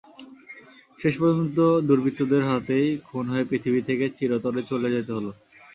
শেষ পর্যন্ত দুর্বৃত্তদের হাতেই খুন হয়ে পৃথিবী ছেড়ে চিরতরে চলে যেতে হলো।